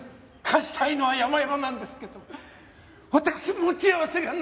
貸したいのはやまやまなんですけど私持ち合わせがないんです。